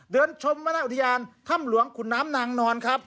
เดินชมวรรณอุทยานถ้ำหลวงขุนน้ำนางนอนครับ